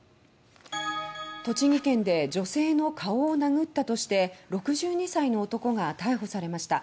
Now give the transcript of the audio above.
栃木県で女性の顔を殴ったとして６２歳の男が逮捕されました。